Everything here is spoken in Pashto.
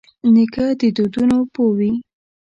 نیکه د دودونو پوه وي.